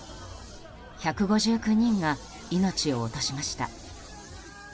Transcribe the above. １５９人が命を落としました。